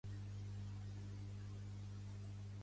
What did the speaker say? En rentar no barrejar la roba de color amb la blanca